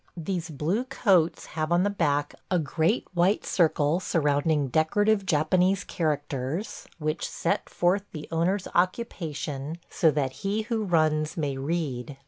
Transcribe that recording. These blue coats have on the back a great white circle surrounding decorative Japanese characters which set forth the owner's occupation, so that he who runs may read.